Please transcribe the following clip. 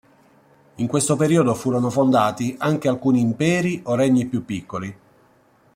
In questo periodo furono fondati anche alcuni imperi o regni più piccoli.